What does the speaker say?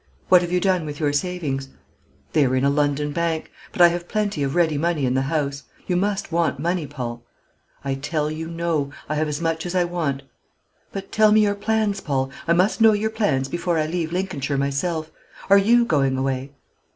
What have you done with your savings?" "They are in a London bank. But I have plenty of ready money in the house. You must want money, Paul?" "I tell you, no; I have as much as I want." "But tell me your plans, Paul; I must know your plans before I leave Lincolnshire myself. Are you going away?"